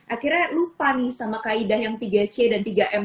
akhirnya lupa nih sama kaidah yang tiga c dan tiga m